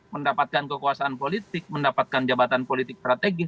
mendapatkan kekuasaan politik mendapatkan jabatan politik strategis